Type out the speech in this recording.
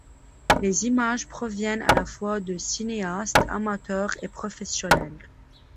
Les images proviennent à la fois de cinéastes amateurs et professionnels.